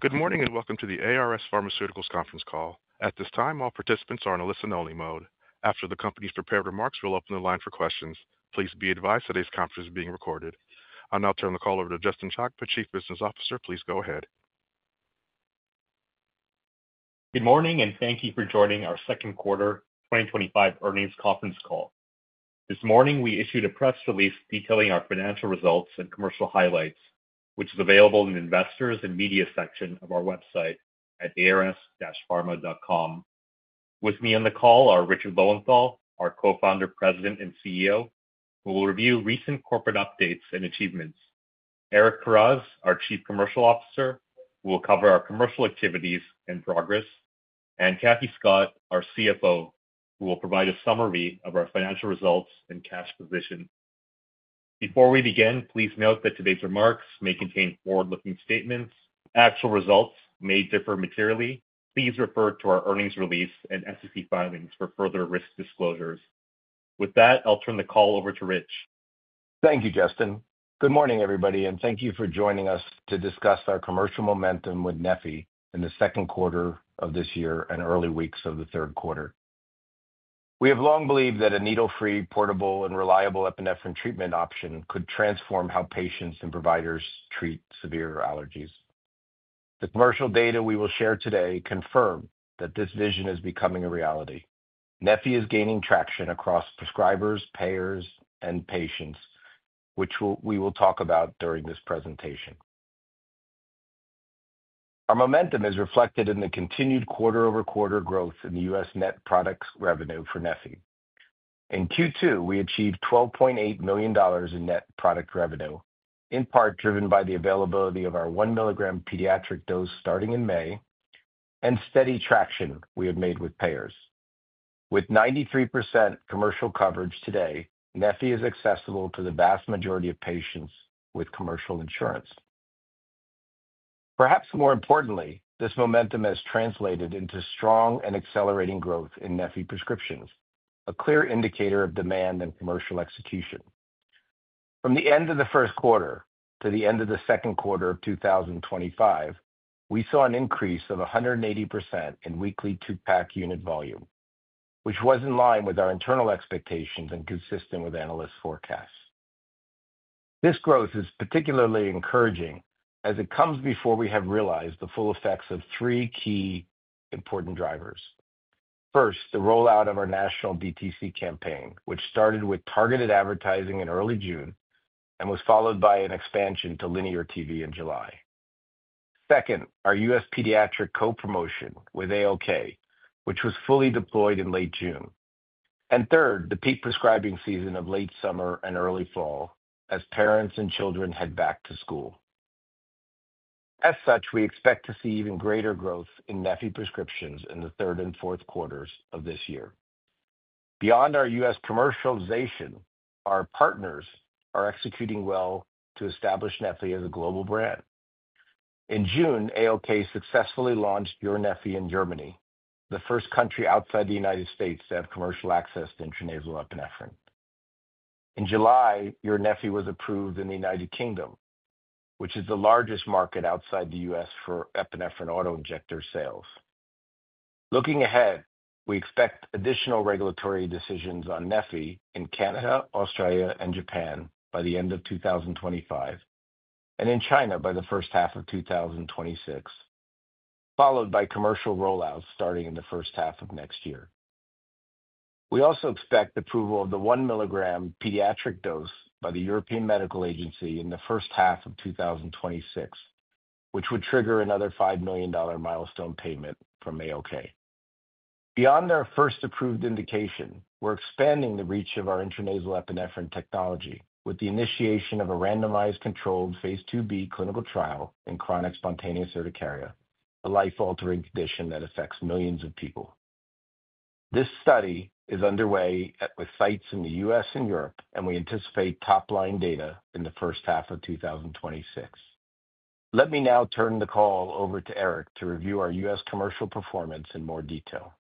Good morning and welcome to the ARS Pharmaceuticals Conference Call. At this time, all participants are in a listen-only mode. After the company's prepared remarks, we'll open the line for questions. Please be advised today's conference is being recorded. I now turn the call over to Justin Chakma, Chief Business Officer. Please go ahead. Good morning and thank you for joining our Second Quarter 2025 Earnings Conference Call. This morning, we issued a press release detailing our financial results and commercial highlights, which is available in the Investors and Media section of our website at ars-pharma.com. With me on the call are Richard Lowenthal, our Co-Founder, President, and CEO, who will review recent corporate updates and achievements. Eric Karas, our Chief Commercial Officer, will cover our commercial activities and progress, and Kathleen Scott, our CFO, who will provide a summary of our financial results and cash position. Before we begin, please note that today's remarks may contain forward-looking statements. Actual results may differ materially. Please refer to our earnings release and SEC filings for further risk disclosures. With that, I'll turn the call over to Rich. Thank you, Justin. Good morning, everybody, and thank you for joining us to discuss our commercial momentum with neffy in the second quarter of this year and early weeks of the third quarter. We have long believed that a needle-free, portable, and reliable epinephrine treatment option could transform how patients and providers treat severe allergies. The commercial data we will share today confirms that this vision is becoming a reality. Neffy is gaining traction across prescribers, payers, and patients, which we will talk about during this presentation. Our momentum is reflected in the continued quarter-over-quarter growth in the U.S. net product revenue for neffy. In Q2, we achieved $12.8 million in net product revenue, in part driven by the availability of our 1 mg pediatric dose starting in May and steady traction we have made with payers. With 93% commercial coverage today, neffy is accessible to the vast majority of patients with commercial insurance. Perhaps more importantly, this momentum has translated into strong and accelerating growth in neffy prescriptions, a clear indicator of demand and commercial execution. From the end of the first quarter to the end of the second quarter of 2025, we saw an increase of 180% in weekly 2-pack unit volume, which was in line with our internal expectations and consistent with analysts' forecasts. This growth is particularly encouraging as it comes before we have realized the full effects of three key important drivers. First, the rollout of our national DTC campaign, which started with targeted advertising in early June and was followed by an expansion to linear TV in July. Second, our U.S. pediatric co-promotion with ALK, which was fully deployed in late June. Third, the peak prescribing season of late summer and early fall as parents and children head back to school. As such, we expect to see even greater growth in neffy prescriptions in the third and fourth quarters of this year. Beyond our U.S. commercialization, our partners are executing well to establish neffy as a global brand. In June, ALK successfully launched EURneffy in Germany, the first country outside the United States to have commercial access to intranasal epinephrine. In July, EURneffy was approved in the U.K., which is the largest market outside the U.S. for epinephrine auto-injector sales. Looking ahead, we expect additional regulatory decisions on neffy in Canada, Australia, and Japan by the end of 2025, and in China by the first half of 2026, followed by commercial rollouts starting in the first half of next year. We also expect approval of the 1 mg pediatric dose by the European Medical Agency in the first half of 2026, which would trigger another $5 million milestone payment from ALK. Beyond our first approved indication, we're expanding the reach of our intranasal epinephrine technology with the initiation of a randomized controlled phase II-B clinical trial in chronic spontaneous urticaria, a life-altering condition that affects millions of people. This study is underway with sites in the U.S. and Europe, and we anticipate top-line data in the first half of 2026. Let me now turn the call over to Eric to review our U.S. commercial performance in more detail.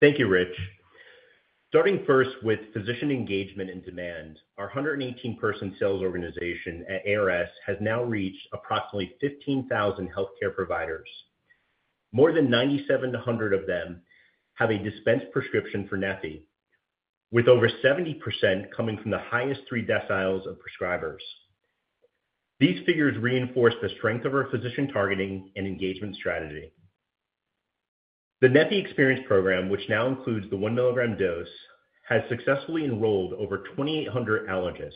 Thank you, Rich. Starting first with physician engagement and demand, our 118-person sales organization at ARS has now reached approximately 15,000 healthcare providers. More than 9,700 of them have a dispensed prescription for neffy, with over 70% coming from the highest three deciles of prescribers. These figures reinforce the strength of our physician targeting and engagement strategy. The Nefi Experience Program, which now includes the 1 mg dose, has successfully enrolled over 2,800 allergists,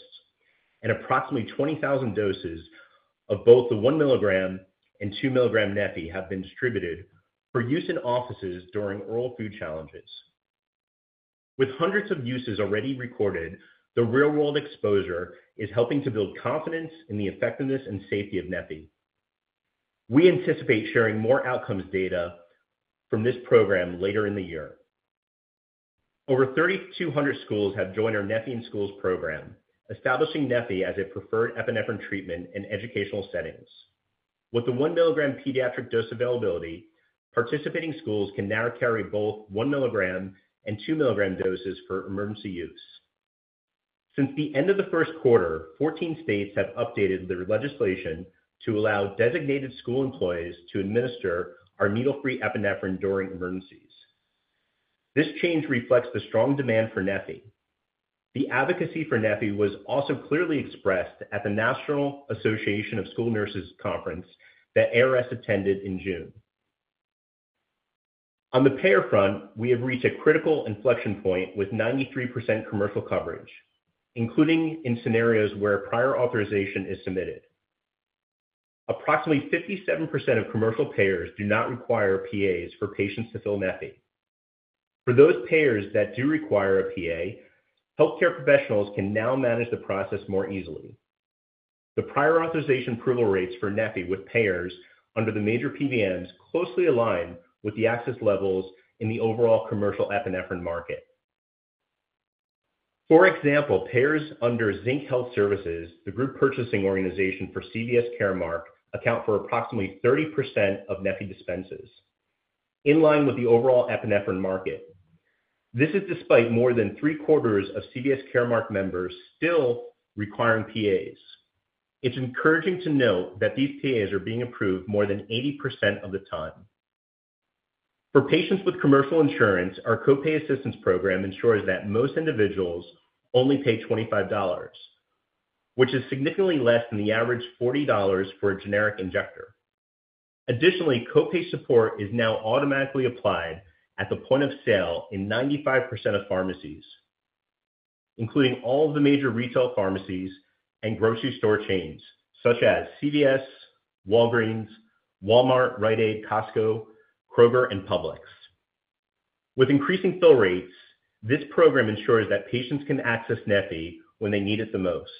and approximately 20,000 doses of both the 1 mg and 2 mg neffy have been distributed for use in offices during oral food challenges. With hundreds of uses already recorded, the real-world exposure is helping to build confidence in the effectiveness and safety of neffy. We anticipate sharing more outcomes data from this program later in the year. Over 3,200 schools have joined our neffyinSchools program, establishing neffy as a preferred epinephrine treatment in educational settings. With the 1 mg pediatric dose availability, participating schools can now carry both 1 mg and 2 mg doses for emergency use. Since the end of the first quarter, 14 states have updated their legislation to allow designated school employees to administer our needle-free epinephrine during emergencies. This change reflects the strong demand for neffy. The advocacy for neffy was also clearly expressed at the National Association of School Nurses conference that ARS attended in June. On the payer front, we have reached a critical inflection point with 93% commercial coverage, including in scenarios where prior authorization is submitted. Approximately 57% of commercial payers do not require PAs for patients to fill neffy. For those payers that do require a PA, healthcare professionals can now manage the process more easily. The Prior Authorization approval rates for neffy with payers under the major PBMs closely align with the access levels in the overall commercial epinephrine market. For example, payers under Zinc Health Services, the group purchasing organization for CVS Caremark, account for approximately 30% of neffy dispenses, in line with the overall epinephrine market. This is despite more than three quarters of CVS Caremark members still requiring PAs. It's encouraging to note that these PAs are being approved more than 80% of the time. For patients with commercial insurance, our co-pay assistance program ensures that most individuals only pay $25, which is significantly less than the average $40 for a generic injector. Additionally, co-pay support is now automatically applied at the point of sale in 95% of pharmacies, including all of the major retail pharmacies and grocery store chains such as CVS, Walgreens, Walmart, Rite Aid, Costco, Kroger, and Publix. With increasing fill rates, this program ensures that patients can access neffy when they need it the most.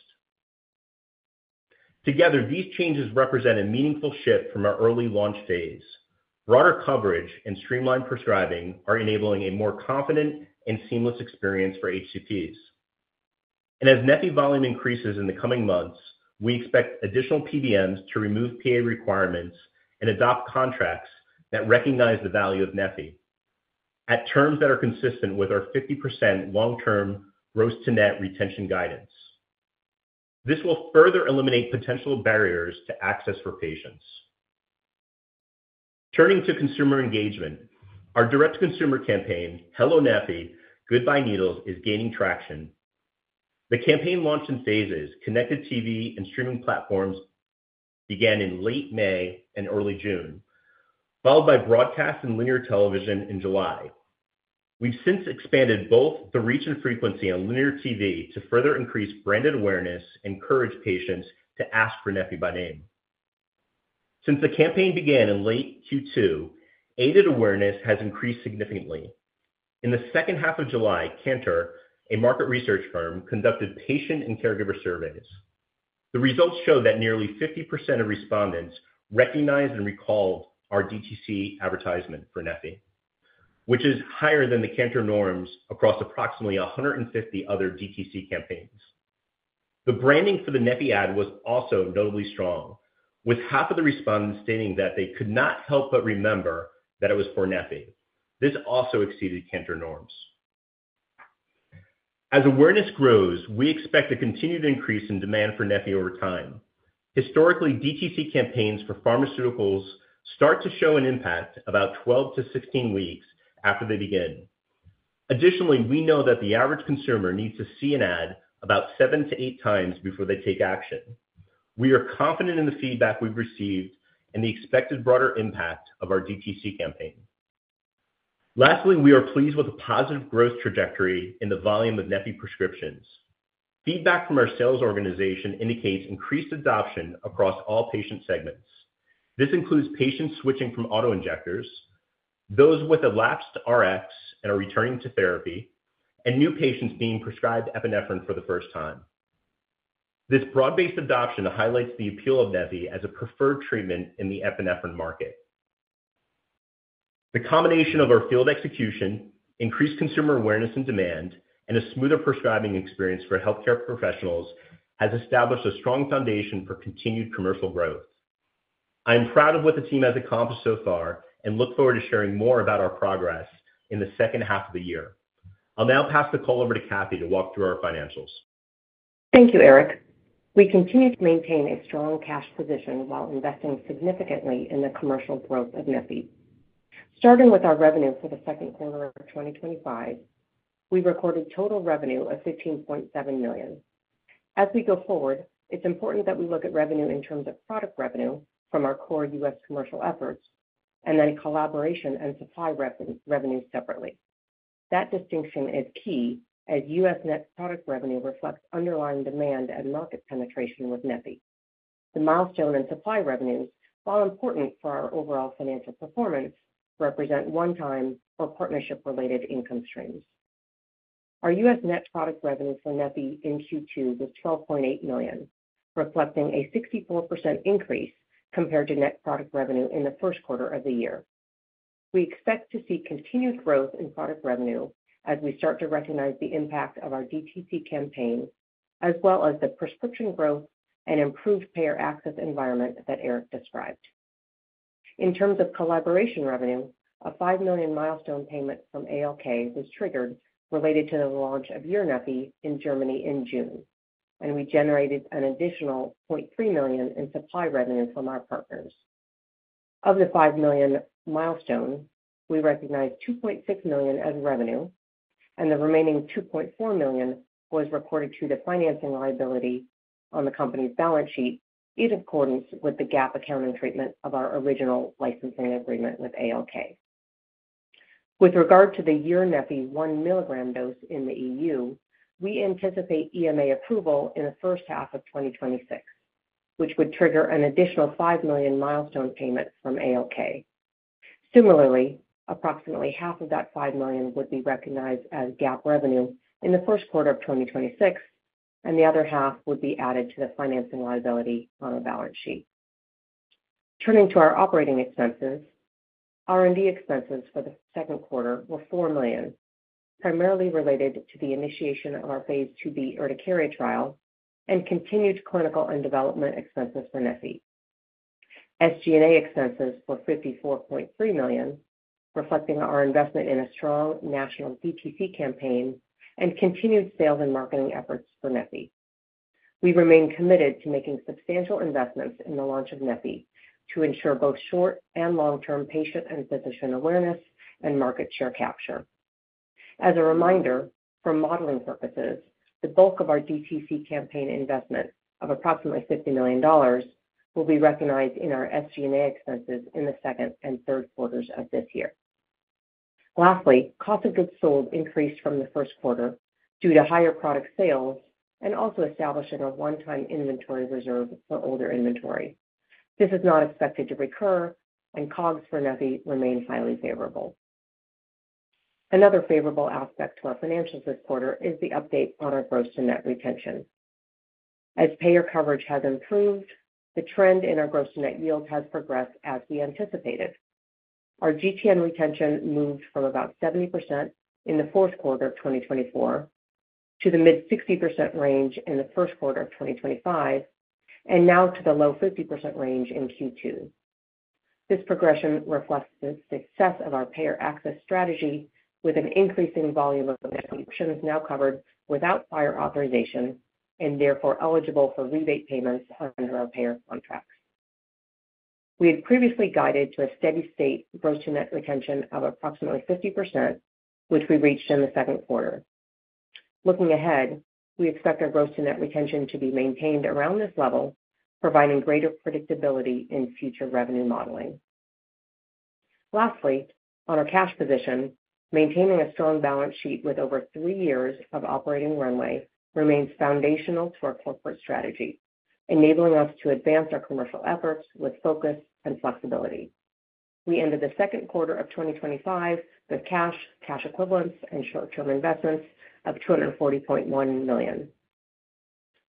Together, these changes represent a meaningful shift from our early launch phase. Broader coverage and streamlined prescribing are enabling a more confident and seamless experience for HCPs. As neffy volume increases in the coming months, we expect additional PBMs to remove prior authorization requirements and adopt contracts that recognize the value of neffy at terms that are consistent with our 50% long-term gross-to-net retention guidance. This will further eliminate potential barriers to access for patients. Turning to consumer engagement, our direct-to-consumer campaign, Hello neffy. Goodbye Needles, is gaining traction. The campaign launched in phases, connected TV and streaming platforms began in late May and early June, followed by broadcast and linear television in July. We've since expanded both the reach and frequency on linear TV to further increase branded awareness and encourage patients to ask for neffy by name. Since the campaign began in late Q2, aided awareness has increased significantly. In the second half of July, Kantar, a market research firm, conducted patient and caregiver surveys. The results showed that nearly 50% of respondents recognized and recalled our DTC advertisement for neffy, which is higher than the Kantar norms across approximately 150 other DTC campaigns. The branding for the neffy ad was also notably strong, with half of the respondents stating that they could not help but remember that it was for neffy. This also exceeded Kantar norms. As awareness grows, we expect a continued increase in demand for neffy over time. Historically, DTC campaigns for pharmaceuticals start to show an impact about 12 weeks-16 weeks after they begin. Additionally, we know that the average consumer needs to see an ad about 7-8x before they take action. We are confident in the feedback we've received and the expected broader impact of our DTC campaign. Lastly, we are pleased with the positive growth trajectory in the volume of neffy prescriptions. Feedback from our sales organization indicates increased adoption across all patient segments. This includes patients switching from auto-injectors, those with elapsed Rx and are returning to therapy, and new patients being prescribed epinephrine for the first time. This broad-based adoption highlights the appeal of neffy as a preferred treatment in the epinephrine market. The combination of our field execution, increased consumer awareness and demand, and a smoother prescribing experience for healthcare professionals has established a strong foundation for continued commercial growth. I'm proud of what the team has accomplished so far and look forward to sharing more about our progress in the second half of the year. I'll now pass the call over to Kathleen Scott to walk through our financials. Thank you, Eric. We continue to maintain a strong cash position while investing significantly in the commercial growth of neffy. Starting with our revenue for the second quarter of 2025, we recorded total revenue of $15.7 million. As we go forward, it's important that we look at revenue in terms of product revenue from our core U.S. commercial efforts and then collaboration and supply revenue separately. That distinction is key as U.S. net product revenue reflects underlying demand and market penetration with neffy. The milestone and supply revenues, while important for our overall financial performance, represent one-time or partnership-related income streams. Our U.S. net product revenue for neffy in Q2 was $12.8 million, reflecting a 64% increase compared to net product revenue in the first quarter of the year. We expect to see continued growth in product revenue as we start to recognize the impact of our DTC campaign, as well as the prescription growth and improved payer access environment that Eric described. In terms of collaboration revenue, a $5 million milestone payment from ALK was triggered related to the launch of EURneffy in Germany in June, and we generated an additional $0.3 million in supply revenue from our partners. Of the $5 million milestone, we recognized $2.6 million in revenue, and the remaining $2.4 million was recorded through the financing liability on the company's balance sheet, in accordance with the GAAP accounting treatment of our original licensing agreement with ALK. With regard to the EURneffy 1 mg dose in the EU, we anticipate EMA approval in the first half of 2026, which would trigger an additional $5 million milestone payment from ALK. Similarly, approximately half of that $5 million would be recognized as GAAP revenue in the first quarter of 2026, and the other half would be added to the financing liability on the balance sheet. Turning to our operating expenses, R&D expenses for the second quarter were $4 million, primarily related to the initiation of our phase II-B urticaria trial and continued clinical and development expenses for neffy. SG&A expenses were $54.3 million, reflecting our investment in a strong national DTC campaign and continued sales and marketing efforts for neffy. We remain committed to making substantial investments in the launch of neffy to ensure both short and long-term patient and physician awareness and market share capture. As a reminder, for modeling purposes, the bulk of our DTC campaign investment of approximately $50 million will be recognized in our SG&A expenses in the second and third quarters of this year. Lastly, cost of goods sold increased from the first quarter due to higher product sales and also establishing a one-time inventory reserve for older inventory. This is not expected to recur, and COGS for neffy remains highly favorable. Another favorable aspect to our financials this quarter is the update on our gross-to-net retention. As payer coverage has improved, the trend in our gross-to-net yield has progressed as we anticipated. Our GTN retention moved from about 70% in the fourth quarter of 2024 to the mid-60% range in the first quarter of 2025, and now to the low-50% range in Q2. This progression reflects the success of our payer access strategy, with an increasing volume of patients now covered without prior authorization and therefore eligible for rebate payments under our payer contracts. We had previously guided to a steady state gross-to-net retention of approximately 50%, which we reached in the second quarter. Looking ahead, we expect our gross-to-net retention to be maintained around this level, providing greater predictability in future revenue modeling. Lastly, on our cash position, maintaining a strong balance sheet with over three years of operating runway remains foundational to our corporate strategy, enabling us to advance our commercial efforts with focus and flexibility. We ended the second quarter of 2025 with cash, cash equivalents, and short-term investments of $240.1 million.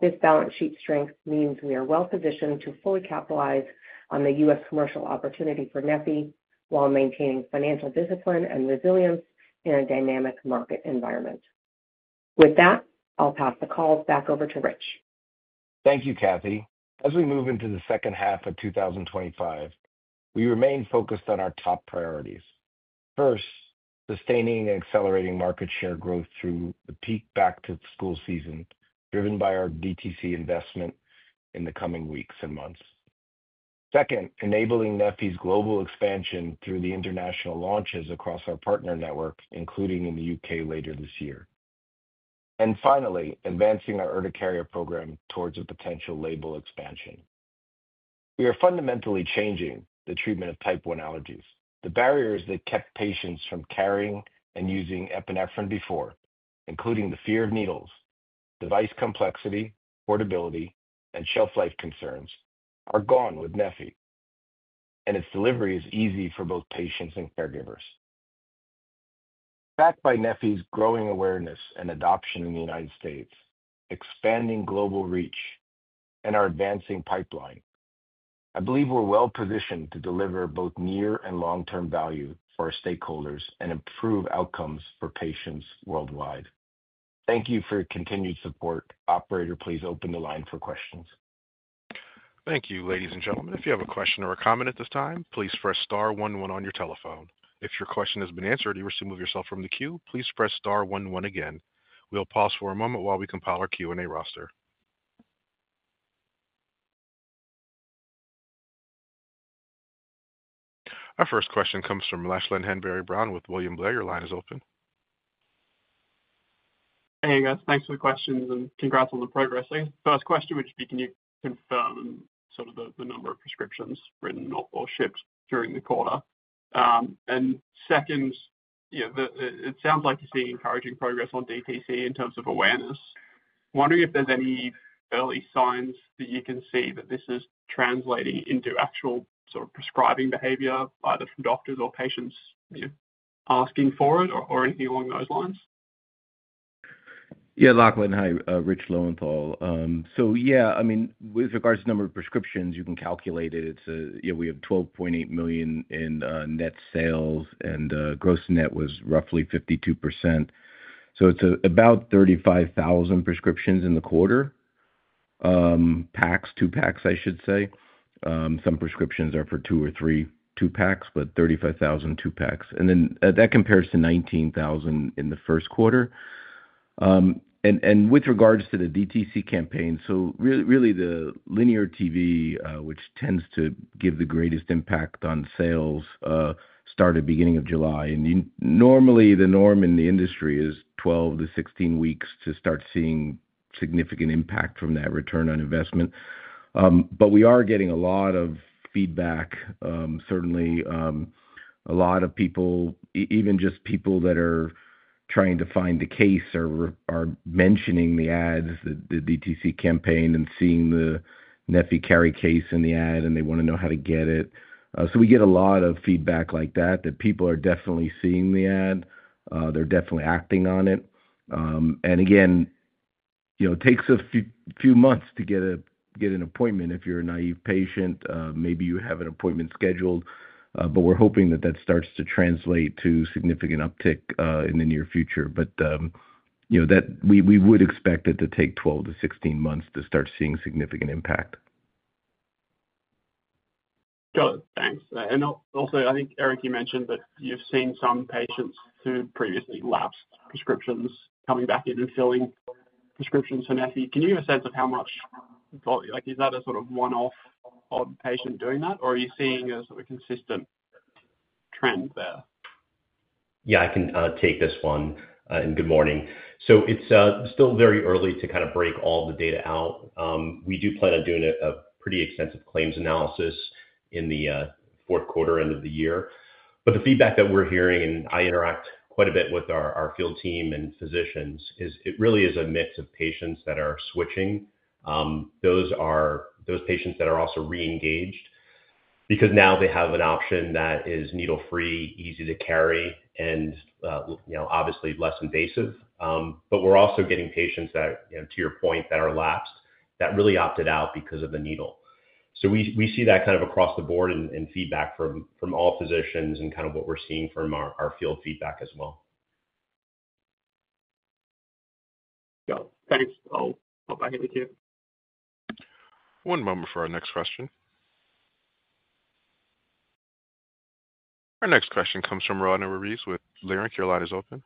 This balance sheet strength means we are well positioned to fully capitalize on the U.S. commercial opportunity for neffy while maintaining financial discipline and resilience in a dynamic market environment. With that, I'll pass the calls back over to Rich. Thank you, Kathy. As we move into the second half of 2025, we remain focused on our top priorities. First, sustaining and accelerating market share growth through the peak back-to-school season, driven by our DTC investment in the coming weeks and months. Second, enabling neffy's global expansion through the international launches across our partner network, including in the U.K. later this year. Finally, advancing our urticaria program towards a potential label expansion. We are fundamentally changing the treatment of Type 1 allergies. The barriers that kept patients from carrying and using epinephrine before, including the fear of needles, device complexity, portability, and shelf life concerns, are gone with neffy, and its delivery is easy for both patients and caregivers. Backed by neffy's growing awareness and adoption in the United States, expanding global reach, and our advancing pipeline, I believe we're well positioned to deliver both near and long-term value for our stakeholders and improve outcomes for patients worldwide. Thank you for your continued support. Operator, please open the line for questions. Thank you, ladies and gentlemen. If you have a question or a comment at this time, please press star one-one on your telephone. If your question has been answered and you wish to move yourself from the queue, please press star one-one again. We'll pause for a moment while we compile our Q&A roster. Our first question comes from Lachlan Hanbury-Brown with William Blair. Your line is open. Hey, guys. Thanks for the questions and congrats on the progress. I guess the first question would just be, can you confirm sort of the number of prescriptions written or shipped during the quarter? Second, it sounds like you're seeing encouraging progress on DTC in terms of awareness. I'm wondering if there's any early signs that you can see that this is translating into actual sort of prescribing behavior, either from doctors or patients, you know, asking for it or anything along those lines? Yeah, Lachlan. Hi, Richard Lowenthal. With regards to the number of prescriptions, you can calculate it. We have $12.8 million in net sales, and gross-to-net was roughly 52%. It's about 35,000 prescriptions in the quarter, two packs, I should say. Some prescriptions are for two or three two packs, but 35,000 two packs. That compares to 19,000 in the first quarter. With regards to the DTC campaign, the linear TV, which tends to give the greatest impact on sales, started at the beginning of July. Normally the norm in the industry is 12 weeks-16 weeks to start seeing significant impact from that return on investment. We are getting a lot of feedback. Certainly, a lot of people, even just people that are trying to find a case, are mentioning the ads, the DTC campaign, and seeing the neffy carry case in the ad, and they want to know how to get it. We get a lot of feedback like that, that people are definitely seeing the ad. They're definitely acting on it. It takes a few months to get an appointment if you're a naive patient. Maybe you have an appointment scheduled, but we're hoping that that starts to translate to significant uptick in the near future. We would expect it to take 12 weeks-16 weeks to start seeing significant impact. Got it. Thanks. I think, Eric, you mentioned that you've seen some patients who previously lapsed prescriptions coming back in and filling prescriptions for neffy. Can you give a sense of how much, like, is that a sort of one-off patient doing that, or are you seeing a sort of consistent trend there? I can take this one. Good morning. It's still very early to kind of break all the data out. We do plan on doing a pretty extensive claims analysis in the fourth quarter end of the year. The feedback that we're hearing, and I interact quite a bit with our field team and physicians, is it really is a mix of patients that are switching. Those are those patients that are also re-engaged because now they have an option that is needle-free, easy to carry, and obviously less invasive. We're also getting patients that, to your point, are lapsed, that really opted out because of the needle. We see that kind of across the board in feedback from all physicians and what we're seeing from our field feedback as well. Got it. Thanks. I'll pop back in with you. One moment for our next question. Our next question comes from Roanna Ruiz with Leerink. Your line is open.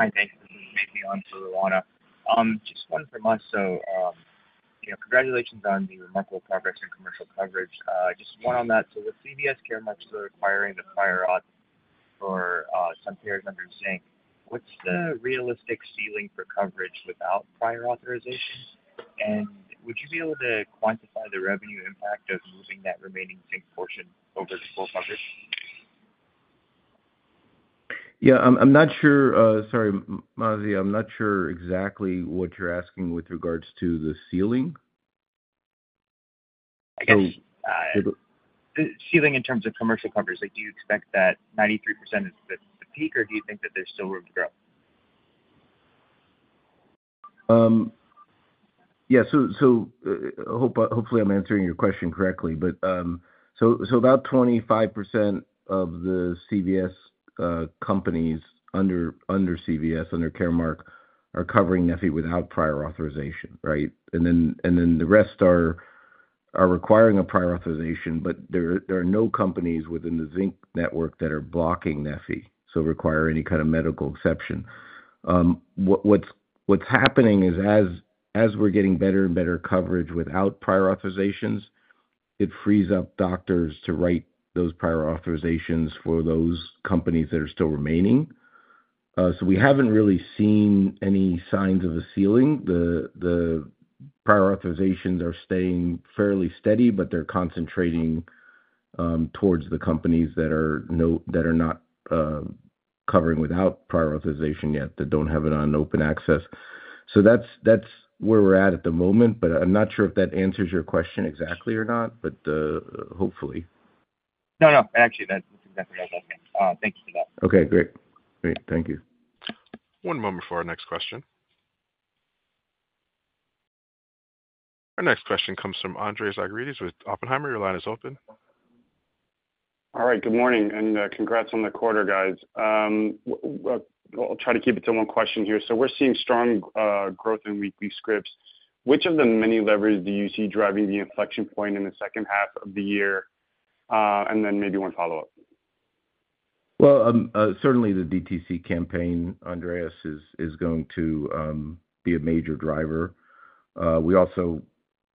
Mazi on to Roanna. Just one quick one. Congratulations on the remarkable progress in commercial coverage. Just one on that. With CVS Caremark requiring the prior authorization for subpayers under Zinc, what's the realistic ceiling for coverage without prior authorization? Would you be able to quantify the revenue impact of moving that remaining Zinc portion over the full budget? I'm not sure. Sorry, Mazi, I'm not sure exactly what you're asking with regards to the ceiling. Ceiling in terms of commercial coverage, do you expect that 93% is the peak? Or do you think that there's still room to grow? Yeah, so hopefully I'm answering your question correctly. About 25% of the companies under CVS, under Caremark, are covering neffy without prior authorization, right? The rest are requiring a prior authorization, but there are no companies within the Zinc network that are blocking neffy or require any kind of medical exception. What's happening is as we're getting better and better coverage without prior authorizations, it frees up doctors to write those prior authorizations for those companies that are still remaining. We haven't really seen any signs of a ceiling. The prior authorizations are staying fairly steady, but they're concentrating towards the companies that are not covering without prior authorization yet, that don't have it on open access. That's where we're at at the moment. I'm not sure if that answers your question exactly or not, but hopefully. No, that's exactly right. Thank you for that. Okay, great. Thank you. One moment for our next question. Our next question comes from Andreas Argyrides with Oppenheimer. Your line is open. All right, good morning and congrats on the quarter, guys. I'll try to keep it to one question here. We're seeing strong growth in weekly scripts. Which of the many levers do you see driving the inflection point in the second half of the year? Maybe one follow-up. The DTC campaign, Andreas, is going to be a major driver. We also,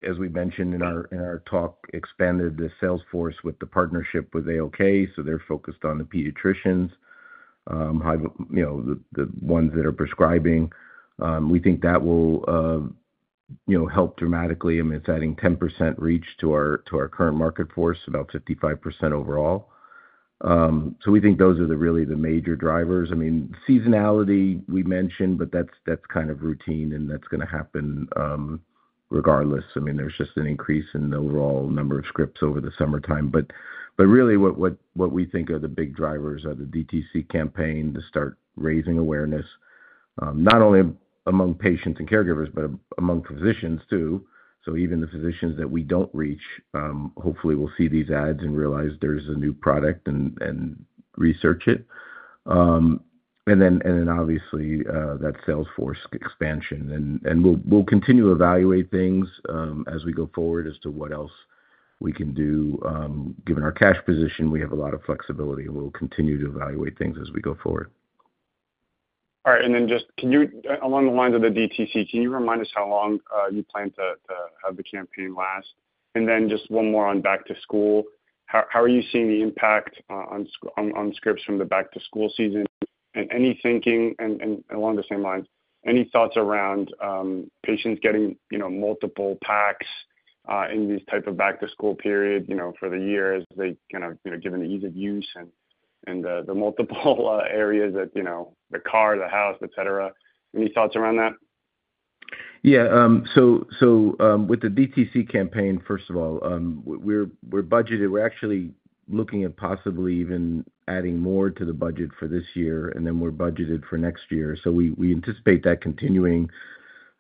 as we mentioned in our talk, expanded the sales force with the partnership with ALK. They're focused on the pediatricians, the ones that are prescribing. We think that will help dramatically. It's adding 10% reach to our current market force, about 55% overall. We think those are really the major drivers. Seasonality we mentioned, but that's kind of routine and that's going to happen regardless. There's just an increase in the overall number of scripts over the summertime. What we think are the big drivers are the DTC campaign to start raising awareness, not only among patients and caregivers, but among physicians too. Even the physicians that we don't reach hopefully will see these ads and realize there's a new product and research it. Obviously, that sales force expansion. We'll continue to evaluate things as we go forward as to what else we can do. Given our cash position, we have a lot of flexibility, and we'll continue to evaluate things as we go forward. All right, can you, along the lines of the DTC, remind us how long you plan to have the campaign last? One more on back-to-school. How are you seeing the impact on scripts from the back-to-school season? Any thinking, along the same lines, any thoughts around patients getting multiple packs in these types of back-to-school periods for the year as they kind of, given the ease of use and the multiple areas, the car, the house, et cetera. Any thoughts around that? Yeah, with the DTC campaign, first of all, we're budgeted. We're actually looking at possibly even adding more to the budget for this year, and then we're budgeted for next year. We anticipate that continuing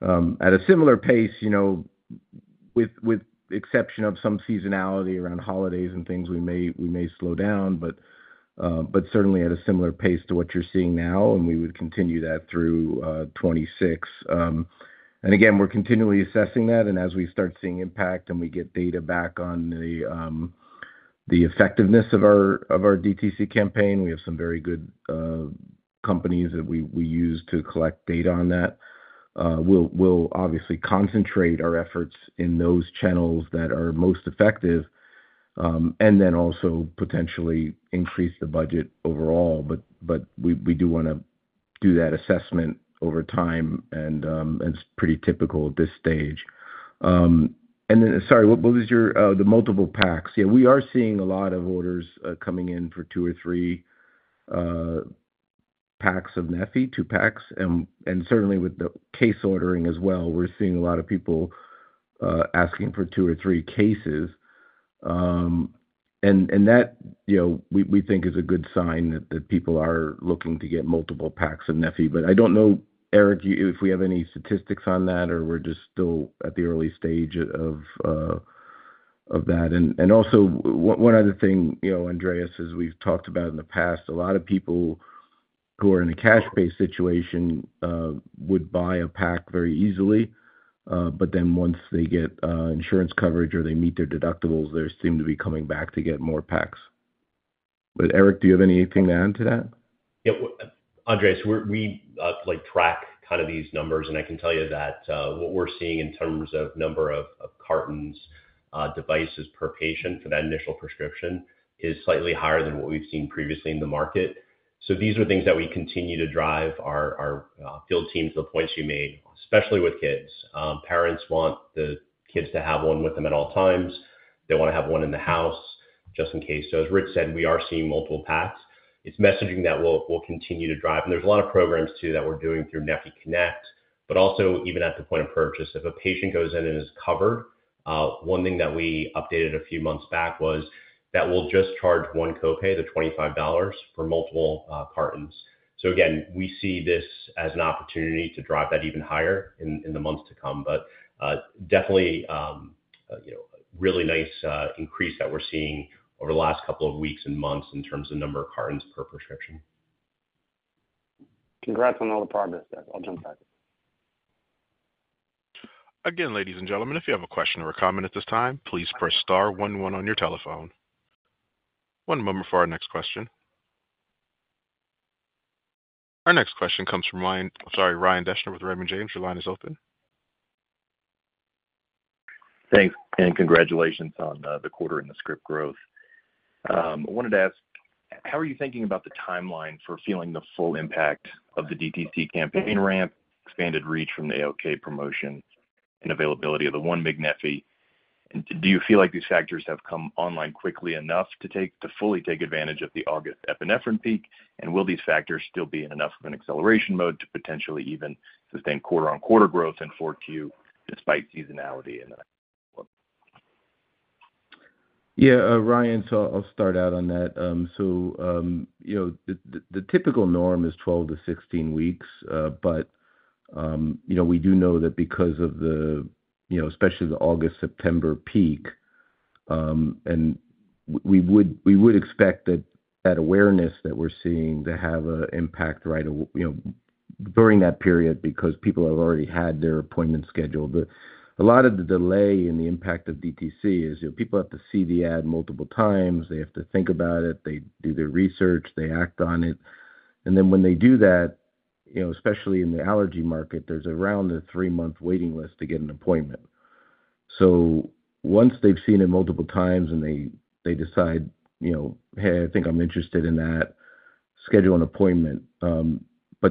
at a similar pace, with the exception of some seasonality around holidays and things, we may slow down, but certainly at a similar pace to what you're seeing now, and we would continue that through 2026. We're continually assessing that, and as we start seeing impact and we get data back on the effectiveness of our DTC campaign, we have some very good companies that we use to collect data on that. We'll obviously concentrate our efforts in those channels that are most effective and then also potentially increase the budget overall. We do want to do that assessment over time, and it's pretty typical at this stage. Sorry, what is your the multiple packs? We are seeing a lot of orders coming in for two or three packs of neffy, two packs. Certainly with the case ordering as well, we're seeing a lot of people asking for two or three cases. We think that is a good sign that people are looking to get multiple packs of neffy. I don't know, Eric, if we have any statistics on that, or we're just still at the early stage of that. One other thing, Andreas, as we've talked about in the past, a lot of people who are in a cash-based situation would buy a pack very easily, but then once they get insurance coverage or they meet their deductibles, they seem to be coming back to get more packs. Eric, do you have anything to add to that? Yeah, Andreas, we track kind of these numbers, and I can tell you that what we're seeing in terms of number of cartons, devices per patient for that initial prescription is slightly higher than what we've seen previously in the market. These are things that we continue to drive our field teams to the points you made, especially with kids. Parents want the kids to have one with them at all times. They want to have one in the house just in case. As Rich said, we are seeing multiple packs. It's messaging that we'll continue to drive. There are a lot of programs too that we're doing through neffy Connect. Also, even at the point of purchase, if a patient goes in and is covered, one thing that we updated a few months back was that we'll just charge one copay, the $25, for multiple cartons. We see this as an opportunity to drive that even higher in the months to come. Definitely, a really nice increase that we're seeing over the last couple of weeks and months in terms of the number of cartons per prescription. Congrats on all the progress, guys. I'll jump back. Again, ladies and gentlemen, if you have a question or a comment at this time, please press star one-one on your telephone. One moment for our next question. Our next question comes from Ryan Deschner with Raymond James. Your line is open. Thanks, and congratulations on the quarter and the script growth. I wanted to ask, how are you thinking about the timeline for feeling the full impact of the DTC campaign ramp, expanded reach from the ALK promotion, and availability of the 1 mg neffy? Do you feel like these factors have come online quickly enough to fully take advantage of the August epinephrine peak? Will these factors still be in enough of an acceleration mode to potentially even sustain quarter-on-quarter growth in fourth quarter despite seasonality? Yeah, Ryan, I'll start out on that. The typical norm is 12 weeks-16 weeks, but we do know that because of the August-September peak, we would expect that awareness we're seeing to have an impact during that period because people have already had their appointments scheduled. A lot of the delay and the impact of DTC is people have to see the ad multiple times. They have to think about it, do their research, and act on it. When they do that, especially in the allergy market, there's around a three-month waiting list to get an appointment. Once they've seen it multiple times and decide, hey, I think I'm interested in that, they schedule an appointment.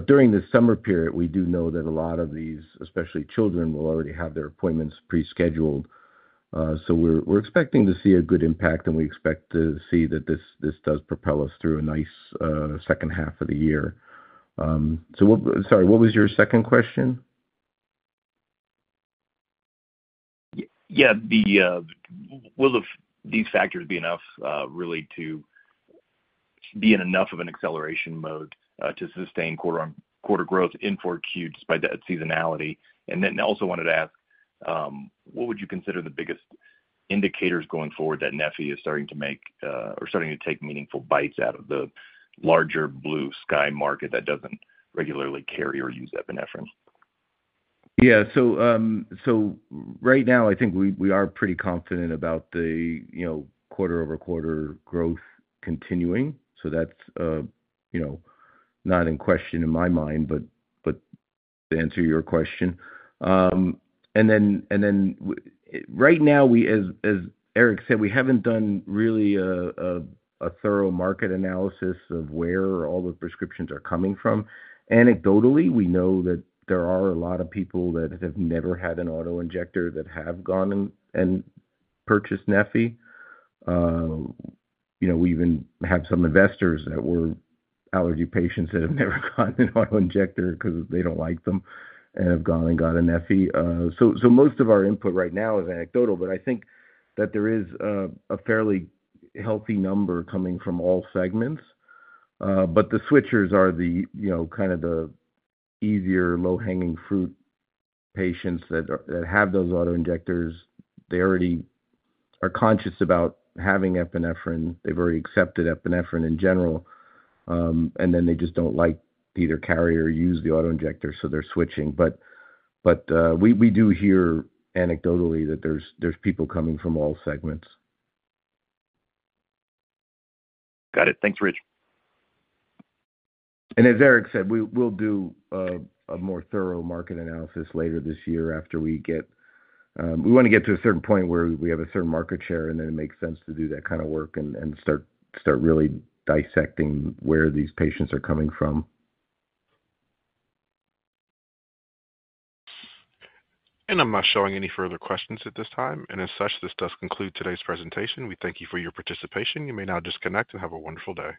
During the summer period, we do know that a lot of these, especially children, will already have their appointments pre-scheduled. We're expecting to see a good impact, and we expect to see that this does propel us through a nice second half of the year. Sorry, what was your second question? Will these factors be enough to be in enough of an acceleration mode to sustain quarter-on-quarter growth in fourth quarter despite that seasonality? I also wanted to ask, what would you consider the biggest indicators going forward that neffy is starting to make or starting to take meaningful bites out of the larger blue-sky market that doesn't regularly carry or use epinephrine? Yeah, right now, I think we are pretty confident about the quarter-over-quarter growth continuing. That's not in question in my mind, to answer your question. Right now, we, as Eric said, haven't done really a thorough market analysis of where all the prescriptions are coming from. Anecdotally, we know that there are a lot of people that have never had an auto-injector that have gone and purchased neffy. We even have some investors that were allergy patients that have never gotten an auto-injector because they don't like them and have gone and gotten neffy. Most of our input right now is anecdotal, but I think that there is a fairly healthy number coming from all segments. The switchers are the easier, low-hanging fruit patients that have those auto-injectors. They already are conscious about having epinephrine. They've already accepted epinephrine in general. They just don't like to either carry or use the auto-injector, so they're switching. We do hear anecdotally that there's people coming from all segments. Got it. Thanks, Rich. As Eric said, we'll do a more thorough market analysis later this year after we get to a certain point where we have a certain market share, and then it makes sense to do that kind of work and start really dissecting where these patients are coming from. I am not showing any further questions at this time. As such, this does conclude today's presentation. We thank you for your participation. You may now disconnect and have a wonderful day.